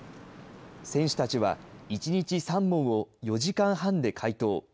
選手たちは１日３問を４時間半で解答。